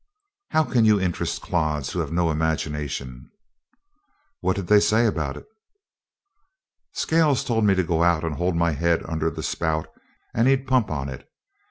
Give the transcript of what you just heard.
"How can you interest clods who have no imagination?" "What did they say about it?" "Scales told me to go out and hold my head under the spout and he'd pump on it.